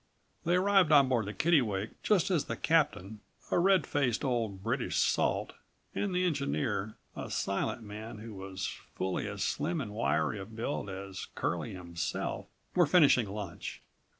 They arrived on board the Kittlewake just130 as the captain, a red faced old British salt, and the engineer, a silent man who was fully as slim and wiry of build as Curlie himself, were finishing lunch.